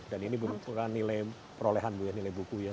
dan ini bukan nilai perolehan ibu ya nilai buku ya